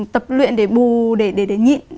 tập luyện để bù để nhịn